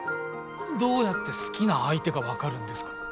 どうやって好きな相手が分かるんですか？